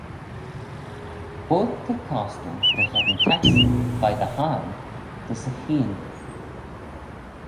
Quoid t'eh costal dy gheddyn taksee veih dty hie dys y cheayn?